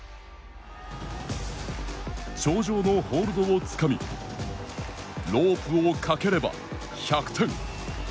頂上のホールドをつかみロープをかければ１００点。